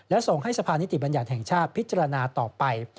และส่งให้สภานิติบัญญัติแห่งชาติพิจารณาต่อไป